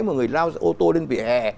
một người lao ô tô lên vỉa hè